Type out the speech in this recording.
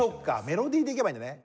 メロディーでいけばいいんだね。